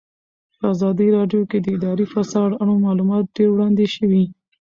په ازادي راډیو کې د اداري فساد اړوند معلومات ډېر وړاندې شوي.